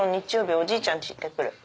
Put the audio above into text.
おじいちゃん家行ってくる。